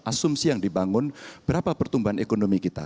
asumsi yang dibangun berapa pertumbuhan ekonomi kita